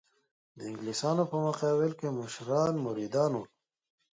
د انګلیسیانو په مقابل کې مشران مریدان ول.